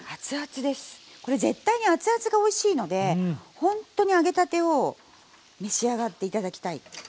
これ絶対に熱々がおいしいのでほんとに揚げたてを召し上がって頂きたい。